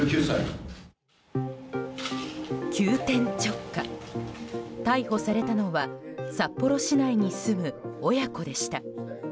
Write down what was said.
急転直下、逮捕されたのは札幌市内に住む親子でした。